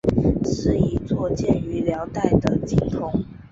是一座建于辽代的经幢。